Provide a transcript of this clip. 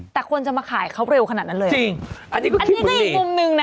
แต่ควรจะมาขายเขาเร็วขนาดนั้นเลยหรืออันนี้ก็คิดมึงดิจริงอันนี้ก็อีกมุมนึงนะ